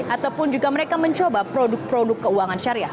ataupun juga mereka mencoba produk produk keuangan syariah